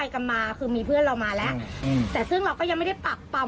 ครับ